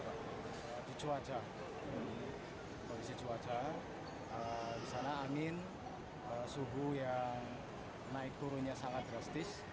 di cuaca di kondisi cuaca di sana angin suguh yang naik turunnya sangat drastis